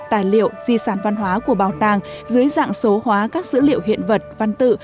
tài liệu di sản văn hóa của bảo tàng dưới dạng số hóa các dữ liệu hiện vật văn tự